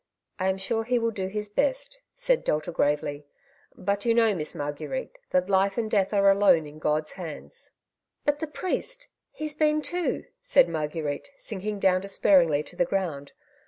''I am sure he will do his best," said Delta gravely. " But you know. Miss Marguerite, that life and death are alone in God's hands." " But the priest ; he's been too," said Marguerite, sinking down despairingly to the ground.